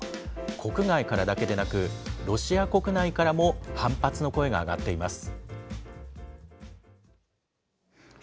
国外からだけでなく、ロシア国内からも反発の声が上がっています。